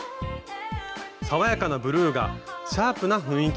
爽やかなブルーがシャープな雰囲気に。